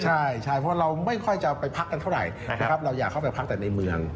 ใช่ใช่เพราะว่าเราไม่ค่อยจะไปพักกันเท่าไหร่นะครับเราอยากเข้าไปพักแต่ในเมือง